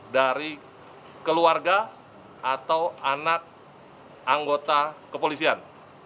dari keluarga atau anak anggota kepolisian